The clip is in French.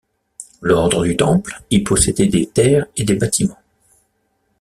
L'Ordre du Temple y possédait des terres et des bâtiments.